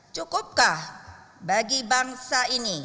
cukupkah bagi bangsa ini